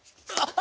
あ！